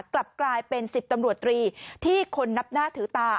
กลับกลายเป็น๑๐ตำรวจตรีที่คนนับหน้าถือตา